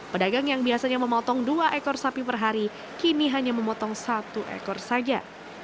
pedagang yang biasanya memotong dua ekor sapi per hari kini hanya memotong satu ekor saja